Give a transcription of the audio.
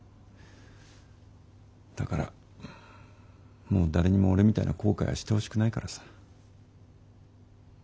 だからもう誰にも俺みたいな後悔はしてほしくないからさ。